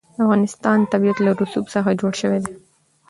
د افغانستان طبیعت له رسوب څخه جوړ شوی دی.